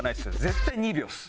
絶対２秒です。